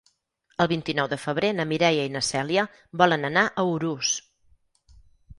El vint-i-nou de febrer na Mireia i na Cèlia volen anar a Urús.